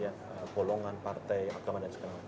ya golongan partai agama dan segala macam